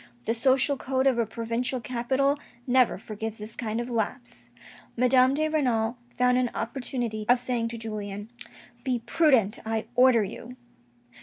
The social code of a provincial capital never forgives this kind of lapse. Madame de Renal found an opportunity of saying to Julien, " Be prudent, I order you."